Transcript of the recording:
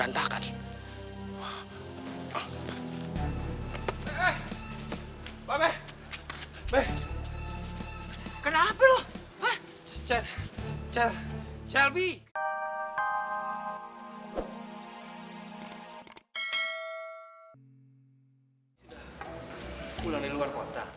udah pulang dari luar kota